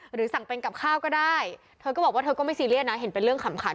หรือสั่งเป็นกับข้าวก็ได้เธอก็บอกว่าเธอก็ไม่ซีเรียสนะเห็นเป็นเรื่องขำขัน